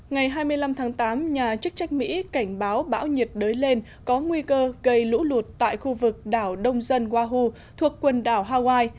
ngày hai mươi năm tháng tám nhà chức trách mỹ cảnh báo bão nhiệt đới lên có nguy cơ gây lũ lụt tại khu vực đảo đông dân waho thuộc quần đảo hawaii